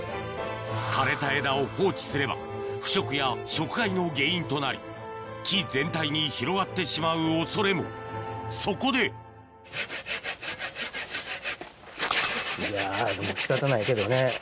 枯れた枝を放置すれば腐食や食害の原因となり木全体に広がってしまう恐れもそこでいや仕方ないけどね